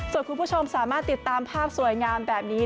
ส่วนคุณผู้ชมสามารถติดตามภาพสวยงามแบบนี้